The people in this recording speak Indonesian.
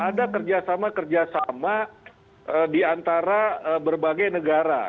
ada kerjasama kerjasama di antara berbagai negara